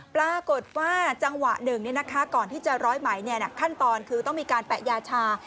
ปรากฏว่าจังหวะหนึ่งก่อนที่จะร้อยไหมขั้นตอนคือต้องมีการแปะยาชา